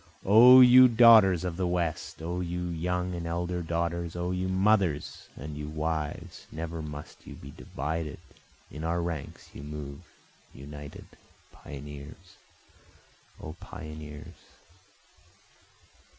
O you daughters of the West! O you young and elder daughters! O you mothers and you wives! Never must you be divided, in our ranks you move united, Pioneers! O pioneers!